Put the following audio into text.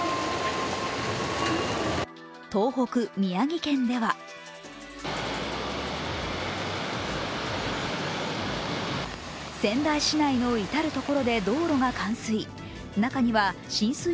東北・宮城県では仙台市内の至る所で道路が冠水。